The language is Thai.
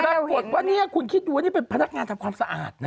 ปรากฏว่านี่คุณคิดดูว่านี่เป็นพนักงานทำความสะอาดนะ